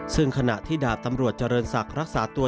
ซึ่งขณะที่ดาบตำรวจเจริญศักดิ์รักษาตัว